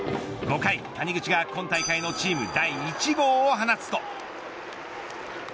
５回、谷口が今大会のチーム第１号を放つと。